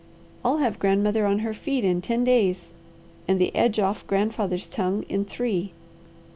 I'll have grandmother on her feet in ten days, and the edge off grandfather's tongue in three.